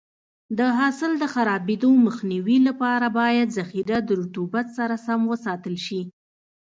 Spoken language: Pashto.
د حاصل د خرابېدو مخنیوي لپاره باید ذخیره د رطوبت سره سم وساتل شي.